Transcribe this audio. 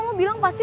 coba nunggu aku